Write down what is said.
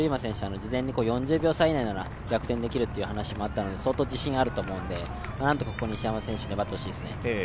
事前に４０秒差以内なら逆転できるという話もあったんで相当自信があると思うので何とか西山選手、粘ってほしいですね。